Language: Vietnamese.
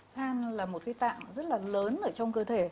thang là một cái tạng rất là lớn ở trong cơ thể